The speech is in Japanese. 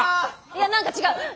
いや何か違う。